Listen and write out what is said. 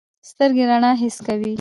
سترګې رڼا حس کوي.